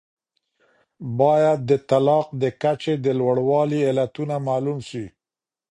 باید د طلاق د کچې د لوړوالي علتونه معلوم سي.